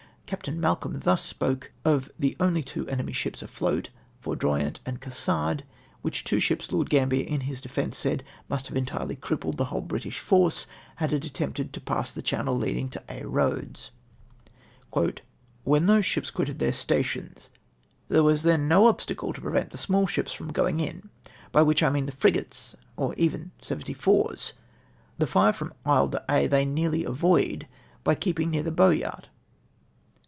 Captain Malcolm thus spoke of the only two enemy's ships afloat, Foudroyant and Cassard, which two ships Lord Gambier in his defence said " must have entirely crip2Jled " the whole British force, had it attempted to pass the chaimel leading to Aix Pioads. " When those ships quitted their stations there was then no obstacle to prevent the small ships from going in; by which I mean the frigates, or even seventy fours. The fire from Isle d'Aix they nearly avoid by keeping near the Boyart."